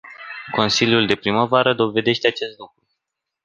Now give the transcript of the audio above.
Consiliul de primăvară dovedește acest lucru.